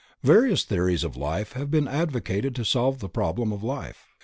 Various theories of life have been advocated to solve this problem of life.